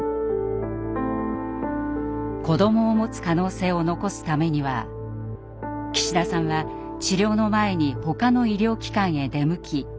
子どもをもつ可能性を残すためには岸田さんは治療の前にほかの医療機関へ出向き